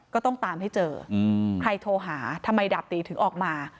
ก็ต้องตามให้เจอใครโทรหาทำไมดาบตีถึงออกมา